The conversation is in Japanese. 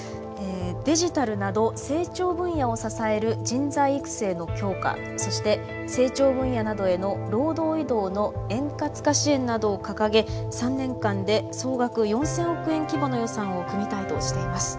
デジタルなど成長分野を支える人材育成の強化そして成長分野などへの労働移動の円滑化支援などを掲げ３年間で総額４，０００億円規模の予算を組みたいとしています。